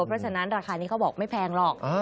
เพราะฉะนั้นราคานี้เขาบอกไม่แพงหรอก